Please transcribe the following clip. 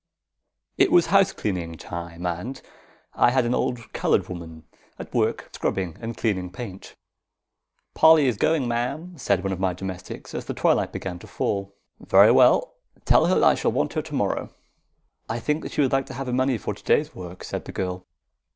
IT was house cleaning time, and I had an old coloured woman at work scrubbing and cleaning paint. "Polly is going, ma'am," said one of my domestics, as the twilight began to fall. "Very well. Tell her that I shall want her tomorrow." "I think she would like to have her money for to day's work," said the girl.